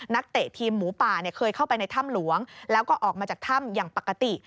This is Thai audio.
เตะทีมหมูป่าเคยเข้าไปในถ้ำหลวงแล้วก็ออกมาจากถ้ำอย่างปกติ